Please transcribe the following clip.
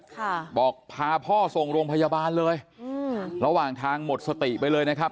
ค่ะบอกพาพ่อส่งโรงพยาบาลเลยอืมระหว่างทางหมดสติไปเลยนะครับ